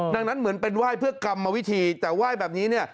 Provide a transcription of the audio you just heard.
ดังนั้นเหมือนเป็นไหว้เพื่อกรรมวิธีแต่ไหว้แบบนี้เนี่ย